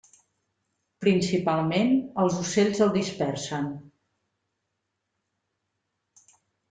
Principalment els ocells el dispersen.